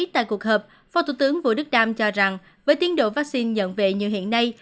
thủ tướng vũ đức đam cho rằng với tiến độ vaccine nhận về như hiện nay